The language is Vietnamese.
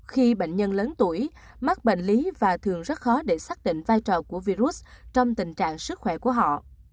khi bệnh nhân lớn tuổi mắc bệnh lý và thường rất khó để xác định vai trò của virus trong tình trạng sức khỏe của họ